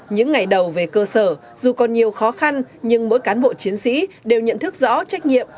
những ngày đầu về cơ sở dù còn nhiều khó khăn nhưng mỗi cán bộ chiến sĩ đều nhận thức rõ trách nhiệm